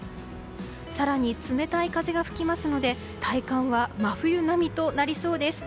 更に冷たい風が吹きますので体感は真冬並みとなりそうです。